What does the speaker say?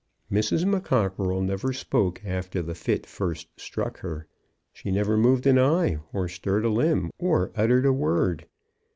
Mrs. McCockerell never spoke after the fit first struck her. She never moved an eye, or stirred a limb, or uttered a word.